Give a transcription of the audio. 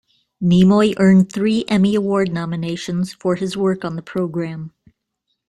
Nimoy earned three Emmy Award nominations for his work on the program.